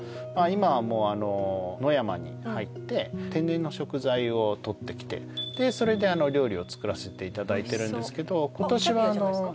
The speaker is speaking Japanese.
今はもう野山に入って天然の食材をとってきてでそれで料理を作らせていただいてるんですけどキャビアじゃないすか？